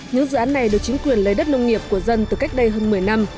những dự án này được chính quyền lấy đất nông nghiệp của dân từ cách đây hơn một mươi năm